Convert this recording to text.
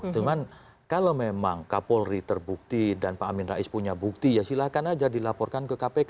cuman kalau memang kapolri terbukti dan pak amin rais punya bukti ya silahkan aja dilaporkan ke kpk